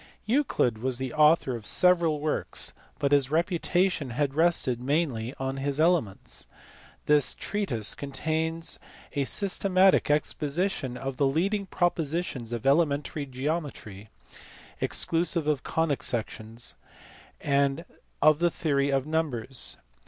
Euclid was the author of several works, but his reputation has rested mainly on his Elements. This treatise contains a systematic exposition of the leading propositions of elementary geometry (exclusive of conic sections) and of the theory of numbers.